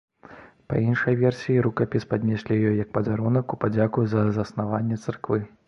Па іншай версіі, рукапіс паднеслі ёй як падарунак у падзяку за заснаванне царквы.